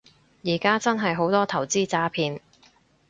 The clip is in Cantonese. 而家真係好多投資詐騙